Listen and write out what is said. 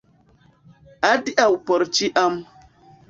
Adiaŭ por ĉiam.